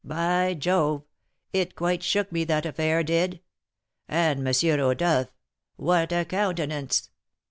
By Jove! it quite shook me, that affair did. And M. Rodolph, what a countenance!